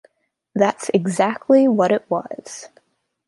That's exactly what it was.